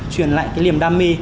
truyền lại cái niềm đam mê